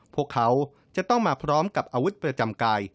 พวกเขาจะต้องมาพร้อมกับอาวุธประจำกาย